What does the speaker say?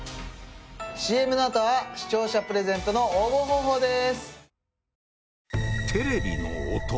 ＣＭのあとは視聴者プレゼントの応募方法です